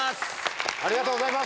ありがとうございます！